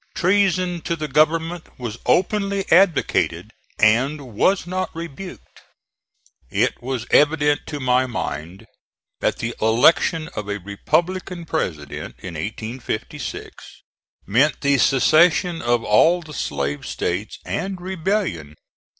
Treason to the Government was openly advocated and was not rebuked. It was evident to my mind that the election of a Republican President in 1856 meant the secession of all the Slave States, and rebellion.